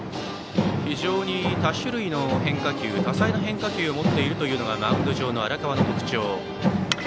非常に多種類の変化球多彩な変化球を持っているのがマウンド上の荒川の特徴。